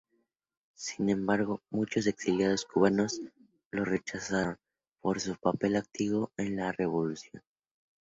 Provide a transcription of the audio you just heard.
Sin embargo, muchos exilados cubanos lo rechazaron por su papel activo en la revolución.